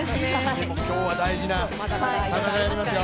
今日は大事な戦いがありますよ。